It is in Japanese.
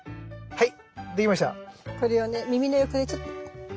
はい。